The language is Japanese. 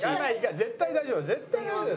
絶対大丈夫だよ